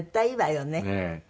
ええ。